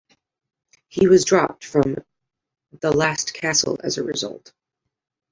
He was dropped from "The Last Castle" as a result.